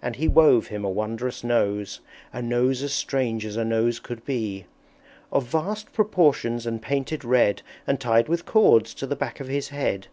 And he wove him a wondrous Nose, A Nose as strange as a Nose could be! Of vast proportions and painted red, And tied with cords to the back of his head.